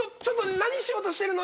何しようとしてるの？